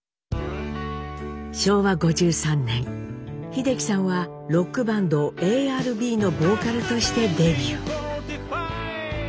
昭和５３年秀樹さんはロックバンドＡＲＢのボーカルとしてデビュー。